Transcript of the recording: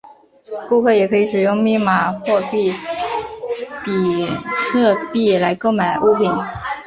顾客也可以使用密码货币比特币来购买物品。